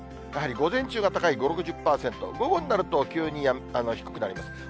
やはり午前中が高い、５、６０％、午後になると急に低くなります。